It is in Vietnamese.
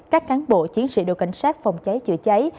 các cán bộ chiến sĩ đội cảnh sát phòng cháy chữa cháy